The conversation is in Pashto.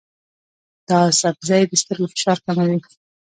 دا سبزی د سترګو فشار کموي.